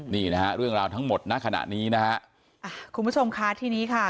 นี่นะฮะเรื่องราวทั้งหมดณขณะนี้นะฮะคุณผู้ชมค่ะทีนี้ค่ะ